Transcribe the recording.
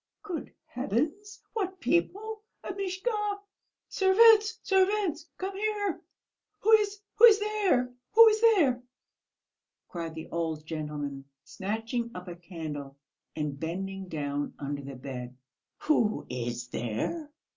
"Good heavens, what people? Amishka.... Servants, servants, come here! Who is there, who is there?" cried the old gentleman, snatching up a candle and bending down under the bed. "Who is there?"